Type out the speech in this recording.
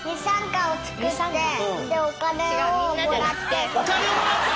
今「お金をもらって」